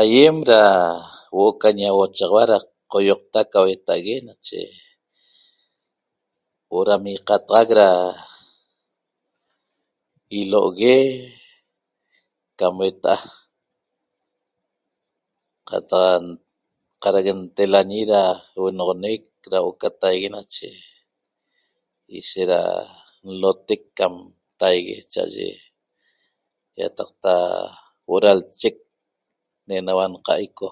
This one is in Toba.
Aiem ra huo'o ca ñahuochaxaua ra qoioqta ca hueta'ague nache huo'o ram iqataxac ra ilo'ogue cam eca qataq cara'ac ntelañi ra huonoxonec ra huo'o ca taigue nache ishet ra nlotec cam taigue cha'aye iataqta huo'o ra lchec ne'enaua nqaico